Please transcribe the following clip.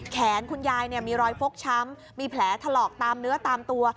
คุณยายมีรอยฟกช้ำมีแผลถลอกตามเนื้อตามตัว